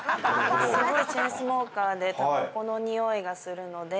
すごいチェーンスモーカーでたばこのにおいがするのでわかると思います。